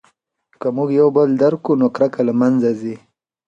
که موږ یو بل درک کړو نو کرکه له منځه ځي.